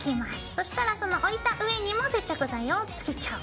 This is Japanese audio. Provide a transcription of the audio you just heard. そしたらその置いた上にも接着剤を付けちゃう。